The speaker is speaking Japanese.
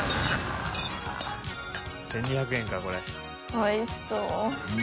おいしそう。